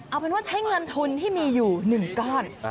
เอาเป็นว่าใช้เงินทุนที่มีอยู่๑ก้อน